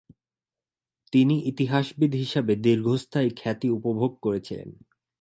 তিনি ইতিহাসবিদ হিসাবে দীর্ঘস্থায়ী খ্যাতি উপভোগ করেছিলেন।